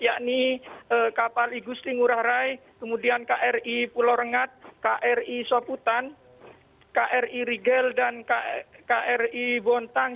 yakni kapal igusti ngurah rai kemudian kri pulau rengat kri soputan kri rigel dan kri bontang